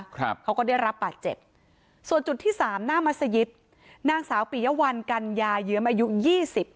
เขาก็ได้รับบาดเจ็บส่วนจุดที่สามหน้ามัศยิตนางสาวปียวัลกัญญาเยื้อมอายุยี่สิบ